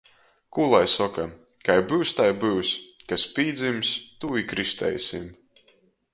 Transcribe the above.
Kū lai soka. Kai byus, tai byus. Kas pīdzims, tū i kristeisim!